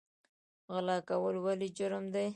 غلا کول ولې جرم دی؟